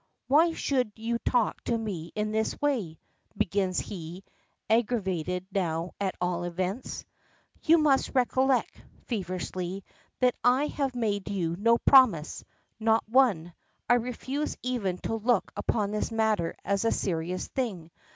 "Why should you talk to me in this way?" begins he, aggrieved now at all events. "You must recollect," feverishly, "that I have made you no promise. Not one. I refuse even to look upon this matter as a serious thing.